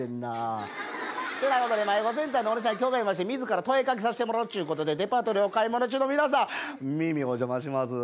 てなことで迷子センターのおねえさんわし自ら問いかけさせてもらおうちゅうことでデパートでお買い物中の皆さん耳お邪魔します。